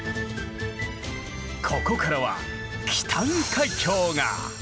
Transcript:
ここからは紀淡海峡が！